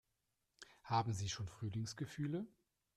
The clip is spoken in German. Haben Sie schon Frühlingsgefühle?